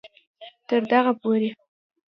تر دغه پورې